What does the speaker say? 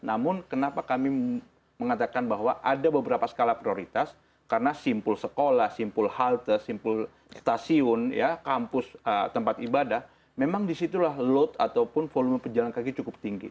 namun kenapa kami mengatakan bahwa ada beberapa skala prioritas karena simpul sekolah simpul halte simpul stasiun kampus tempat ibadah memang disitulah load ataupun volume pejalan kaki cukup tinggi